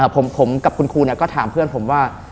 ผมกับคุณครูก็ถามเพื่อนผมว่า